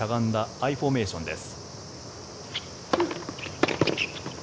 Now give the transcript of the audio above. アイフォーメーションです。